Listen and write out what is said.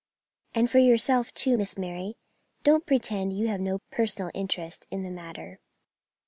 "And for yourself too, Miss Mary; don't pretend you have no personal interest in the matter."